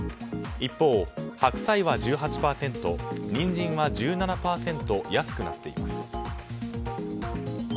一方、白菜は１８％ニンジンは１７％安くなっています。